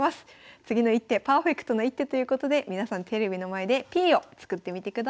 次の一手パーフェクトな一手ということで皆さんテレビの前でＰを作ってみてください。